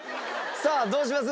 さあどうします？